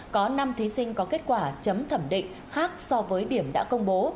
có năm thí sinh có kết quả chấm thẩm định khác so với điểm đã công bố